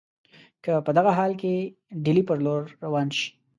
که په دغه حال کې ډهلي پر لور روان شي.